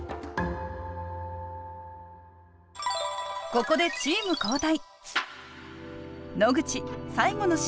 ここでチーム交代。